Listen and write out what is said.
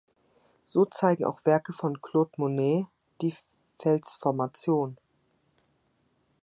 So zeigen auch Werke von Claude Monet die Felsformation.